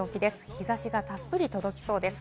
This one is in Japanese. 日差しがたっぷり届きそうです。